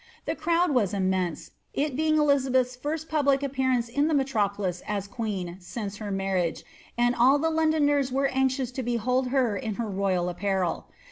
The crowd was immense, it being Elizi kcth's firat public appearance in the metropolis as queen since het maf^ \ na|«, and idl the Londoner were aoxious to behold her in her royd imwcl.